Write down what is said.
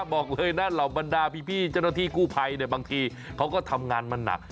บอกเลยนะเหล่าบรรดาพี่เจ้าหน้าที่กู้ภัยเนี่ยบางทีเขาก็ทำงานมันหนัก